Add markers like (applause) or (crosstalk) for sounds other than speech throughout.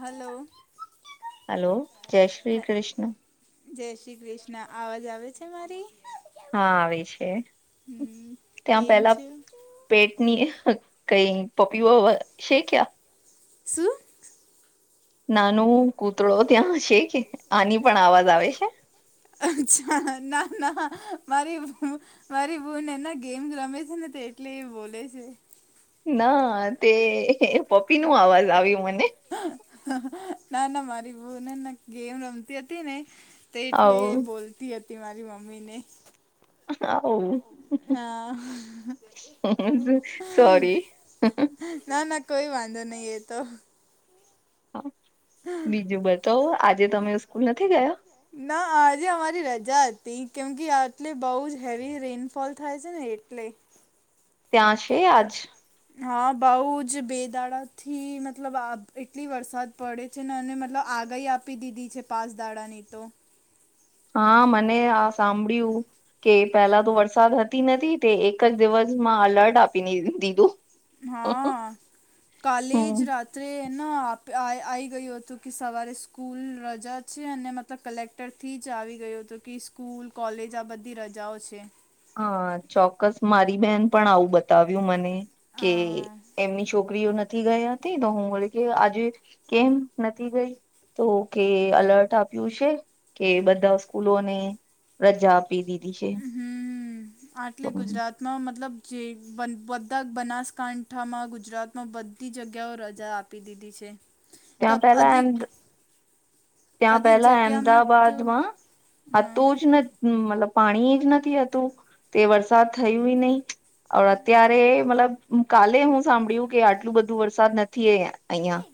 Hello. Hello. જય શ્રી કૃષ્ણ. જય શ્રી કૃષ્ણ. અવાજ આવે છે મારી? હા, આવે છે. હમ ત્યાં કેમ પેલા. છે પેટની કઈ પપીઓ છે ત્યાં? શું? નાન કૂતરો ત્યાં છે કે? આની પણ અવાજ આવે છે. અરછા. ના ના મારી. મારી બહેન એની ગેમ રમે છે ને, એટલે એ બોલે છે. ના, તે પપી નું અવાજ આવ્યું મને. ના ના, મારી બહેન એની ગેમ રમતી હતી ને. એટલે આવું એ બોલતી હતી. મારી મમ્મી ને. હા ઓહ! હા સોરી. ના ના કોઈ વાંધો નહી. એ તો. હા! બીજું બતાવો. આજે તમે સ્કૂલ નથી ગયા? ના. આજે અમારી રજા હતી. કેમ કે, આટલો બહુ જ હેવી રેઇનફોલ થાય છે. ને એટલે ત્યાં છે આજ? હા! બઉ જ બે દાડા થી, મતલબ આ એટલો વરસાદ પડે. છે ને અને મતલબ આગાહી આપી દીધી છે. પાંચ દાડાની તો. હા! મેં આ સાંભળ્યું. કે પેલા તો વરસાદ હતો નહી. તે એક જ દિવસમાં અલર્ટ આપી દીધું. હા! કાલે જ હમ રાત. ના આવી ગયું હતું કે, સવારે સ્કૂલે રજા છે. અને, તો કલેક્ટર થી જ આવી ગયો હતો કે, સ્કૂલ કોલેજ આ બધે રજાઓ છે. હા! ચોક્કસ મારી બેહેન પણ આવું બતાવ્યું મને. કે હા એમની છોકરીઓ નથી... નથી ગયા હતી. તો હું વળી કેહતી કે આજે કેમ નથી ગઈ? તો કહે કે અલર્ટ આપ્યું છે, કે બધા સ્કૂલોને.... રજા આપી દીધી છે. હમ તો આટલે ત્યાં ગુજરાતમાં... માં મતલબ જે બધા બનાસકાંઠામાં, ગુજરાતમાં બધી જગ્યાઓ રજા આપી. આપી દીધી છે ત્યાં તબ પેલા એમ અધિક ત્યાં અધિક પહેલા જગ્યામાં તો અહેમદાબાદમાં હા હતું જ નથી હમ્મ મતલબ પાણી જ નથીતું તે વરસાદ થયું નહીિ અત્યારે મતલબ કાલે હું સાંભળ્યું કે આટલું બધું વરસાદ નથી એ અહિયાં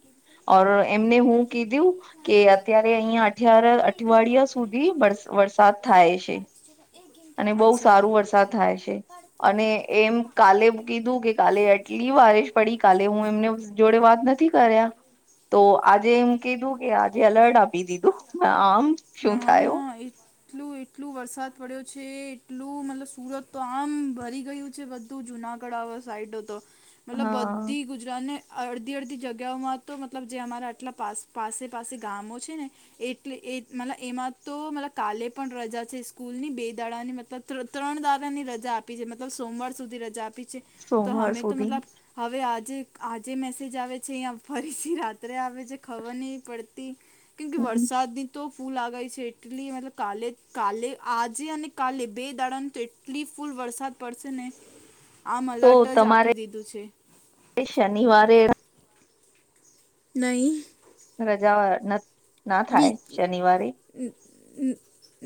ઓર એમને હું કીધું કે અત્યારે અહિયાં અઠાર અઠવાડિયા સુધીર વરસાદ થાય છે અને બહુ અચ્છા સારું વરસાદ થાય છે અને એમ કાલે કીધું કે કાલે એટલી વારશ પડી કાલે હું એમને જોડે વાત નથી કર્યા તો આજે એમ કીધું કે આજે એલર્ટ આપી દીધું આમ હ શું થયું હા એ એટલું એટલું વરસાદ પડ્યો છે એટલું મતલબ સુરત તો આમ ભરી ગયું છે ત જુનાગઢ સાઈડ હતો મતલબ હા બધી અને અડધી અડધી જગ્યાઓમાં તો મતલબ જે અમારા આટલા પાસ પાસે પાસે ગામો છે ને એટલે એ મતલ એમાં તો કાલે પણ રજા છે સ્કૂલ ની બે દાડાની મતલબ ત્રણ દાડાની રજા આપે મતલબ સોમવાર સુધી રજા આપી છે તો સોમવાર અમે તો સુધી મતલબ હવે આજે આજે મેસેજ આવે છે અહીંયા ફરીથી રાત્રે આવે છે ખબર નહીં પડતી કેમકે વરસાદ તો ફૂલ આગય છે એટલી મતલબ કાલે કાલે આજે અને કાલે બે દાડાનું તો એટલી ફૂલ વરસાદ પડશે ને આમ તો અલર્ટ જ તમારે આપી દીધું છે શનિવારે નહી રજાઓ ના થાય શનિવારે હમ્મ હમ્મ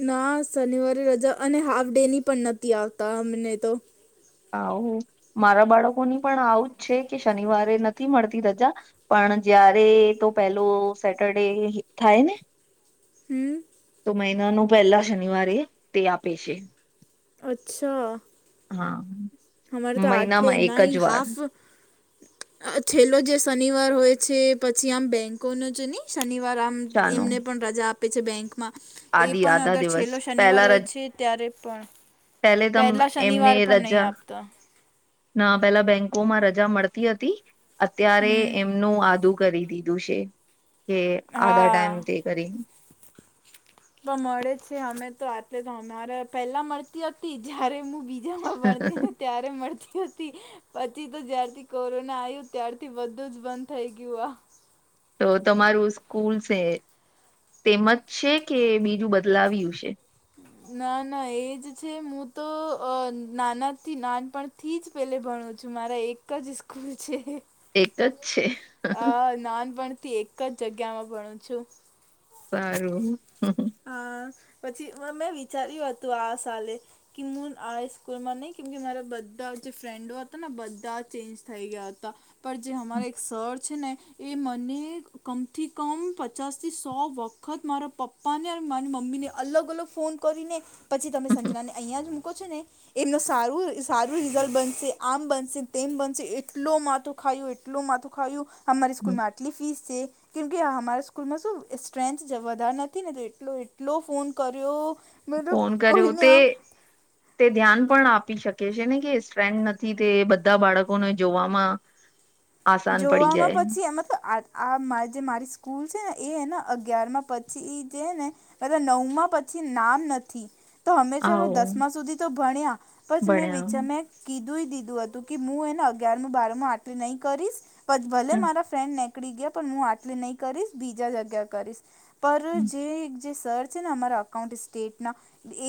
ના શનિવારે રજા અને હાફ ડે ની પણ નથી આવતા અમને તો આવ મારા બાળકોની પણ આવુંજ છે કે શનિવારે નથી મળતી રજા પણ જયારે તો પેલો સેટરડે થાય ને હમ્મ તો મહિનાનું પહેલા શનિવારે તે આપે છે અચ્છા હા અમારે તો આટલે મહિનામાં એક ના જ ઈ વાર હાફ છેલ્લો જે શનિવાર હોય છે પછી આમ બેંકો ન છે ને શનિવાર આ ચાનો એમને પણ રજા આપે છે બેંકમાં એ આદિ પણ આધા અગર દિવસ છેલ્લો શનિવાર હોય છે ત્યારે પણ પેલે તો તમ પહેલા એમને શનિવાર પણ નહીં રજા આપતા ના પેલા બેંકો માં રજા મળતી હતી અત્યારે હમ એમનું આદું કરી દીધું છે કે આધા હા ટાઈમ તે કરી તો મળે છે અમે તો આટ તો અમારે પેલા મળતી હતી જયારે હું ત્યામાં ભણતી ને ત્યારે મળતી હતી પછી તો જ્યારથી કોરોના આયુ ત્યારથી બધું જ બંધ થઈ ગયું આ તો તમારું સ્કૂલ છે તેમજ છે કે બીજું બદલાવ્યું છે. ના ના એજ છે હું તો અ નાના થી નાનપણ થી જ પેલે ભણું છું મારા એક જ સ્કૂલ છે. એક જ છે. અ નાનપણથી એક જ જગ્યામાં ભણું છું. સારું. હા પછી મેં વિચાર્યું હતું આ સાલે. કે હું આ સ્કૂલમાં નહી કેમકે મારા બધા જે ફ્રેન્ડો હતા ને બધા ચેન્જ થઈ ગયા હતા. પર જે હમાર એક સરર્. છે ને એ મને કમથી કમ પચાસ થી સો વખત મારા પપ્પા. પાને મા મમ્મી ને અલગ અલગ ફોન કરીને પછી તમે સંજના ને અહં જ મૂકો છો ને. એમનું સારું સારું રિઝલ્ટ બનશે આમ બનશે તેમ બનશે એટલો મા તો. ખું એટલું માથું ખાયું. હમારે સ્કૂલમાં આટલી ફીસ છે કે્મેકે હમારે સ્કૂલમાં સ્ટ્રેન્થ જ વધાર. નથી ને તો એટલો એટલો ફોન કર્યો. મતલબ ફોન કર્યો કોઈને તે. આમ તે ધ્યાન પણ આપી શકે છે ને કે સ્ટ્રેન્થ નથી તે બધા બાળકોને જોવામાં (inaudible) પડી જોવામાં જાય પછી એમાં તો. આ મા જે મારી સ્કૂલ છે ને એ ને અગિયારમાં પછી એ જે ને. નવમાં પછી નામ નથી. તો હંમેશા આવ દસમા સુધી તો ભણ્યા પછ મેં વચમે. ભણ્યા કીધું દીધું હતું કે હું એને અગિયારમ બારમું આટલી નહી કરીશ. પછ ભલે મારા ફ્રેન્ડ નીકળી ગયા પણ હું આટલી નહી કરીશ બીજા જગ્યા કરીશ. પર જે જે સર છે ને અમારા અકાઉન્ટ સ્ટેટના.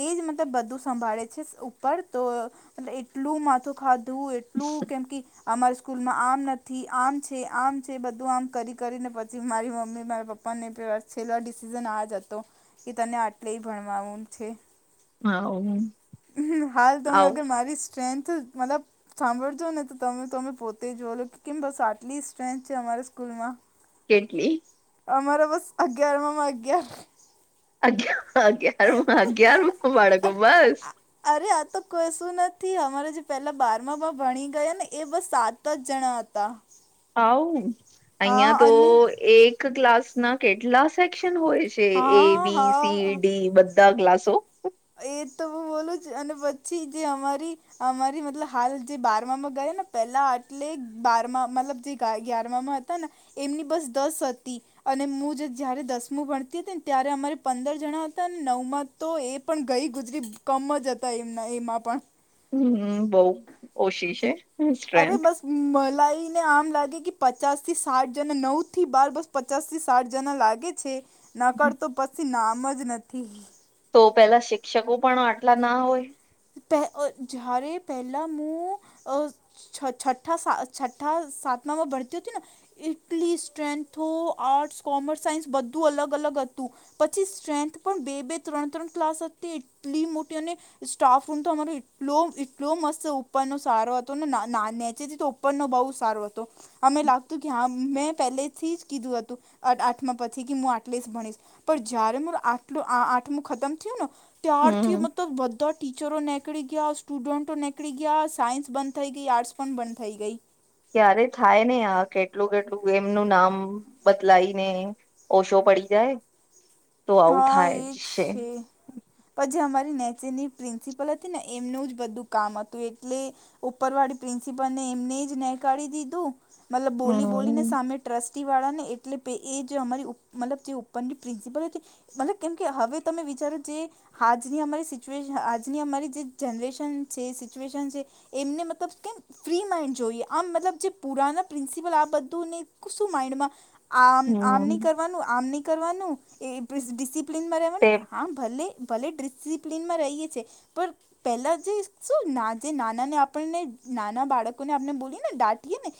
એજ મતલબ બધું સંભાળે છે ઉપર તોતલ એટલું માથું ખાધું. એલું કેમ કે અમારી સ્કૂલમાં આ. નથી આમ છે આમ છે બધું આમ કરી કરી ને પછી મારી મમ્મી મારા પપ્પા ને છેલ્લો ડિસિઝન આ જ હતો કે તને આટલેય ભણવાું છે. હ. હાલ તોમે અગર મારી સ્ટ્રેન્થ મતલબ. સાંભળજો ને તો તમેમે પોતે જો લો કેમ બસ આટલી સ્ટ્રેન્થ છે અમારા સ્કૂલ માં. કેટલી. અમારે બસ અગિયારમાં અગિયાર. અગારમાં અગયારમાં બાળકો બસ. અરે આ તો કોઈ શું નથી અમારે જે પેલા બારમા બાર ભણી ગયા ને એ બસ સાત. જણા હતા. આવ હા અહિયાં તો અને એક ક્લાસ ના કેટલા સેક્શન હોય છે. જે એ હા બી હા સીડી બધા ગ્લાસો. એ તો હું બોલું જ અને પછી જે અમારી. અમારી મતલબ હાલ જે બારમામાં ગયા ને પેલા એટલે બારમા મતલબ જે. ગયાર માં હતા ને એમની બસ દસ હતી. અને હું જે જયારે દસમું ભણતી હતી ને ત્યારે અમારે પંદર જણા હતા અને નવમાં તો એ. પણ ગઈ ગુજરી કમ જ હતા એમના એમાં પણ. હમ બઉ ઓછી છે. અરે સ્ટ્રેન્થ બસ મલાઈને આમ લાગે કે પચાસ થી સાઠ જને નવ થી બાર બસ. પચાસ થી સાઠ જણા લાગે છે નકળતો પછી નામ જ નથી. તો પેલા શિક્ષકો પણ આટલા ના હોય. જારે પહેલા મુ છ છઠઠા સા છઠ્ઠા સાતમા માં ભરતી હતી ને. ઇટલી સ્ટ્રેન્થ આર્ટસ કોમર્સ સાયન્સ બધું અલગ અલગ હતું પછી સ્ટ્રેન્થ પણ બે બે ત્રણ ત્રણ ક્લાસ એટલી મોટી અને સ્ટાફ રૂમ તો અમારો એટલો એટલો મસ્ત ઉપરનો સારો હતો ને નીચેથી તો પ નનો બહુ સારો હતો અમે લાગતું કે હા મેં પહેલે થી જ કીધું હતું આઠમા પછી કે હું આટલી જ ભણીશ પણ જયારે આટલું આઠમું ખતમ થયું ને ત્યારથી હમ મતલબ તો ટીચરો નીકળી ગયા સ્ટુડન્ટો નીકળી ગયા સાયન્સ બંધ થઈ ગઈ આર્ટસ પણ બંધ થઈ ગઈ ક્યારે થાય ને આ કેટલું કેટલું એમનું નામ બદલાય ને ઓછો પડી જાય તો આવું થાય જ છે પછી અમારી નેચેની પ્રિન્સિપલ હતી ને એમનું જ બધું કામ હતું એટલે ઉપર વાળી પ્રિન્સિપલને એમને જ નહ કાઢી દીધું મતલબ બોલી બોલીને હમ સામે ટ્રસ્ટી વાળા ને એટલે એ જે અમારી મતલબ જે ઉપરની પ્રિન્સિપલ હતી મતલબ કેમ કે હવે તમે વિચારો જે આજની અમારી સિચ્યુએશ આજની અમારી જે જનરેશન છે સિચ્યુએશન છે એમને મતલબ કેમ ફ્રી માઇન્ડ જોઈએ આમ મતલબ જે પુરાના પ્રિન્સિપલ આ બધુંને શું માઈન્ડમાં આમ આમ નહી હમ કરવાનું આમ નહી કરવાનું એ ડિસિપ્લિનમાં તે રહેવાનું હા ભલે ભલે ડિસિપ્લિનમાં રહીએ છે પણ પેલા જે શું ના જે નાના ને આપણને નાના બાળકોને આપણે બોલીએ ને દાટીએ ને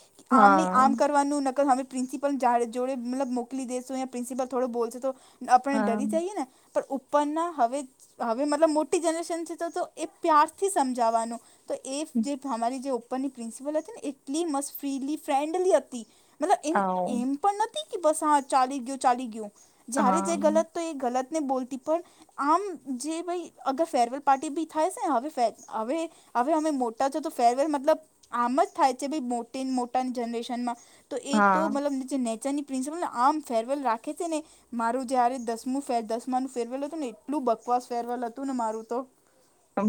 આમ ન આમ હા કરવાનું નકલ પ્રિન્સિપલડ જોડે મલબ મોકલી દેેશ યા પ્રિન્સિપલ થોડો બોલશે તો આપણે હા ડરી જઈએ ને પર ઉપ પણ હવે હવે મતલબ મોટી જનરેશન છે તો એ પ્યારથી સમજાવાનું તો એ જે અમારી જે ઉપરની પ્રિન્સિપલ હતી ને એટલી મત ફ્રીલી ફ્રેન્ડલી હતી મતલબ એમ હ એમ પણ નથી ક બસ હા ચાલીક ગયું ચાલીક ગયું જ્યારે હા જે ગલત તો એ ગલત ને બોલતી પણ આમ જે ભાઈ અગર ફેરવેલ પાર્ટી ભી થાય છે ને હવે હવે હવે અમે મોટા છો તો ફેરવેલ મતલબ આમ જ થાય છે ભ મો મોટા જનરેશનમાં તો એ તો હા મતલબ જે નેચરની પ્રિન્સપલ ને આમ ફેરવેલ રાખે છે ને મારું જયારે દસમું દસમા નું ફેરવેલ હતું ને એટલું બકવાસ ફેરવેલ હતું ને મારું તો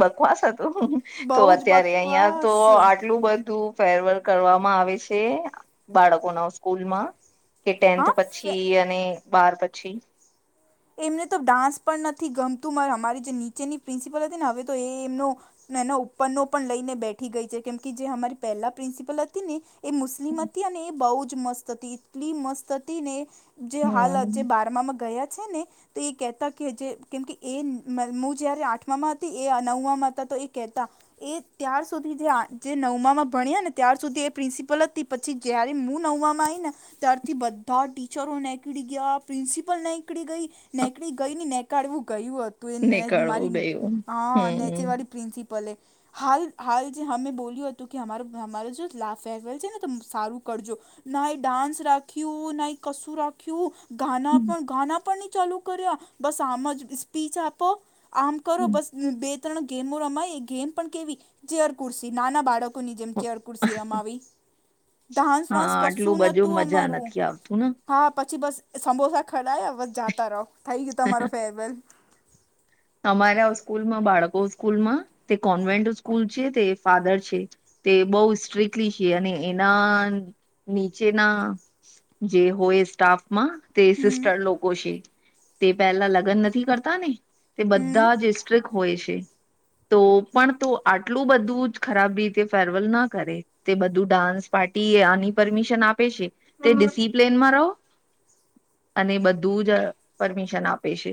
બકવાસ હતું તો બહુ જ અત્યારે અહિયાં તો બકવાસ આટલું બધું ફેરવેલ કરવામાં આવે છે બાળકોના સ્કૂલમાં કે ટેન્થ હા ફે પછી અને બાર પછી એમને તો ડાન્સ પણ નથી ગમતું મારે અમારી જે નીચેની પ્રિન્સિપલ હતી ને હવે તો એ એમનો એના ઉપરનો પણ લઈને બેઠી ગઈ છે કેમ જે અમારી પહેલા પ્રિન્સિપલ હતી ને એ મુસ્લિમ હતી અને એ બહુ જ મસ્ત હતી એટલી મસ્ત હતી ને જે હાલ જે હમ બારમામાં ગયા છે ને તો એ કેહેતા કે જે કેમકે એ હ જયારે આઠમામાં હતી એ નવમામાં હતા તો એ કેહેતા એ ત્યાાર સુધી જે નવમામાં ભણ્યા ને ત્યાર સુધી એ પ્રિન્સિપલ પછી જયારે હું નવવામાં આવી ને ત્યારથી બધા ટીચરો નીકળી ગયા પ્રિન્સિપલ ની નીકળી ગઈ નેકડી ગઈ ને નનેકળવું ગયું હતું એ નીકળવું મારી ગયું હા નેચર વાળી હમ પ્રિન્સપ પલે હાલ હાલ જે અમે બોલ્યું હતું કે અમારો અમારો જો લા ફેરવેલ છે ને તો સારું કરજો ના એ ડાન્સ રાખ્યું ના એ કશું રાખ્યું ગાના પણ ગાના પણ નહી ચાલુ કરિયા બસ આમ સ્પીચ આપો આમ કરો બસ બે ત્રણ ગેમો રમાય એ ગેમ પણ કેવી જેર કુર્સી નાના બાળકો ની જેમ ચેર ખુરસી રમાવી ઢાંસ હા વાંસ કશું આટલું બધું નોતું મજા અમારું નથી આવતું ને હા પછી બસ સમબોસા ખડાયા બસ જતા રહો થઈ ગયું તમારો ફેરવેલ અમારા સ્કૂલમાં બાળકો સ્કૂલમાં તે કોન્વેન્ટ સ્કૂલ છે તે ફાધર છે તે બહુ સ્ટ્રિકલી છે અને એના નીચેના જે હોય સ્ટાફ માં તે હમ સિસ્ટર લોકો છે તે પેલા લગ્ન નથી કરતા ને તે હમ બધા જ સસ્ટ્રિક હોય છે તો પણ તો આટલું બધું જ ખરાબ રીતે ફેરવેલ ના કરે તે બધું ડાન્સ પાર્ટી આની પરમિશન આપે છે તે ડિસિપ્લનમાં રહો અને બધું જ પરમિશન આપે છે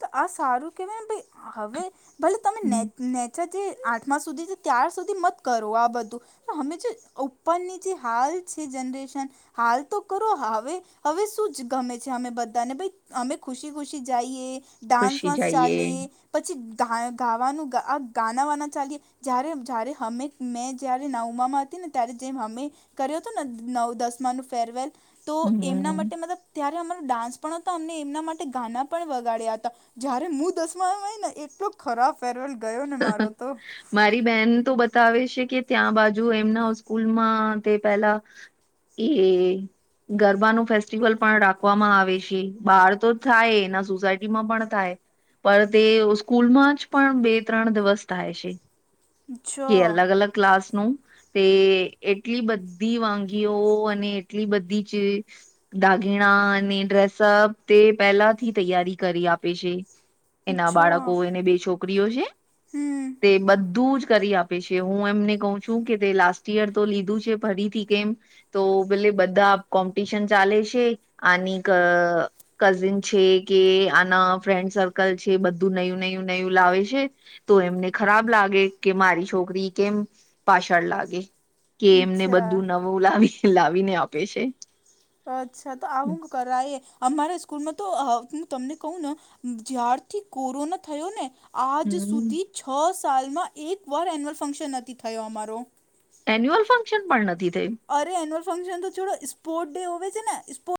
તો આ સારું કેવાય હવે ભલે તમે નેચર જે આઠમા સુધી છે ત્યાર સુધી મત કરો આ બધું હમે જે ઉપરની જે હાલ છે જનરેશન હાલ તો કરો હવે હવે શું જ ગમે છે અમે બધા ને ભઈ અમે ખુશી ખુશી જાયએ ડાન્સ ખુશી વાન્સ જઈએ ચાલે પછી ગા ગાવાનું આ ગાનાવાનાં ચાલીએ જ્યારે જ્યારે અમે મેં જ્યારે નઉમા માં હતી ને ત્યારે જેમ અમે કર્યો હતો ને નવ દસમા નું ફેરવેલ તો એમના હમ માટે મતલબ ત્યારે અમારો ડાન્સ પણ હતો અમને એમના માટે ગાના પણ વગાડ્યા હતા જયારે મુું દસમાય મા આવીને એટલો ખરાબ ફેરવેલ ગયો ને મારો તો (inaudible) મારી બેન તો બતાવે છે કે ત્યાં બાજુ એમના સ્કૂલમાં તે પેલા એ ગરબાનું ફેસ્ટિવલ પણ રાખવામાં આવે છે બહાર તો થાય એના સોસાયટી માં પણ થાય પણ તે સ્કૂલમાં જ પણ બે ત્રણ દિવસ થાય છે છ કે અલગ અલગ ક્લાસ નું તે એટલી બધી વાનગીઓ અને એટલી બધી ચ દાગીણા અને ડ્રેસઅપ તે પહેલાથી તૈયારી કરી આપે છે એના બાળકો એને બે છોકરીઓ હે હમ્મ તે બધું જ કરી આપે છે હું એમને કહ છું કે તે લાસ્ટ યર તો લીધું છે ફરીથી કેમ તો ભલે બધા કોમ્પિટિશન ચાલે છે અનેક કઝિન છે કે આના ફ્રેન્ડ સર્કલ છે બધું નયું નયું નયું લાવે છે તો એમને ખરાબ લાગે કે મારી છોકરી કેમ પાછળ લાગે કે એમને અચ્છા બધું નવું લાવી લાવીને આપે છે અચ્છા તો આવું કરાય અમારા સ્કૂલમાં તો હું તમને કહું ને જ્યારથી કોરોના થયો ને આજ હમ સુધી છ સાલમાં એક વાર એન્યુઅલ ફંક્શન નથી થયો અમારો એન્યુઅલ ફંક્શન પણ નથી થઈ અરે એન્યુઅલ ફંક્શન તો છડો સ્પોર્ટ ડે હોવે છેને સ્પોર્